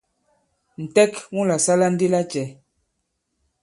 Ǹtɛk mu la sala ndi lacɛ ?